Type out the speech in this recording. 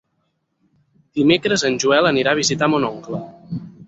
Dimecres en Joel anirà a visitar mon oncle.